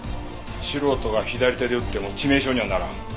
素人が左手で撃っても致命傷にはならん。